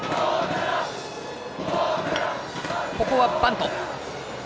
ここはバント。